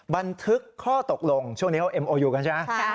บันทึกข้อตกลงช่วงนี้เขาเอ็มโออยู่กันใช่ไหม